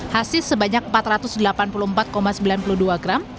hasis sebanyak empat ratus delapan puluh empat sembilan puluh dua gram